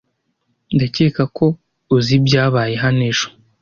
Ndakeka ko uzi ibyabaye hano ejo.